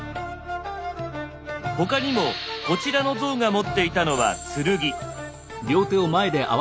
他にもこちらの像が持っていたのは剣。